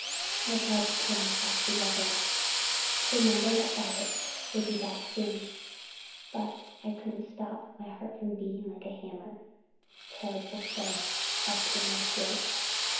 I tried to pull myself together, to remember that Babbitts would be back soon, but I couldn't stop my heart from beating like a hammer, terrible thuds up in my throat.